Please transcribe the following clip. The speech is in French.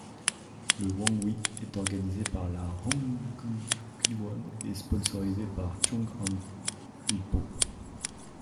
Le Wangwi est organisé par la Hanguk Kiwon et sponsorisé par Chung-ang Il-po.